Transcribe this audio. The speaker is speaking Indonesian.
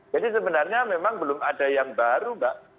jadi sebenarnya memang belum ada yang baru mbak